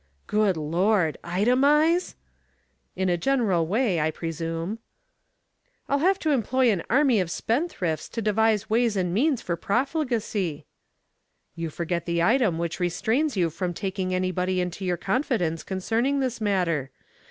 "Good Lord! Itemize?" "In a general way, I presume." "I'll have to employ an army of spendthrifts to devise ways and means for profligacy." "You forget the item which restrains you from taking anybody into your confidence concerning this matter.